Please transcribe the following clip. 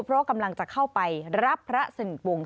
เพราะกำลังจะเข้าไปรับพระสนิทวงศ์